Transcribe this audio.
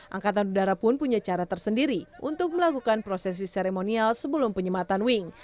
angkatan udara pun punya cara tersendiri untuk melakukan prosesi seremonial sebelum penyematan wing